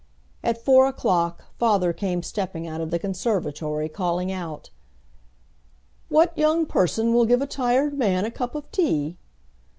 At four o'clock father came stepping out of the conservatory, calling out, "What young person will give a tired man a cup of tea?"